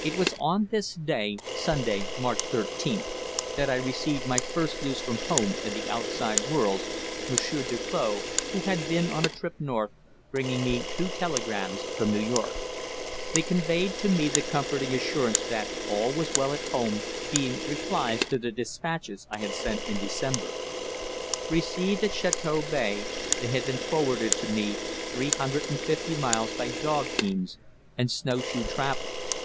It was on this day (Sunday, March 13th) that I received my first news from home and the outside world, Monsieur Duclos, who had been on a trip north, bringing me two telegrams from New York. They conveyed to me the comforting assurance that all was well at home, being replies to the dispatches I had sent in December. Received at Chateau Bay, they had been forwarded to me three hundred and fifty miles by dog teams and snowshoe travellers.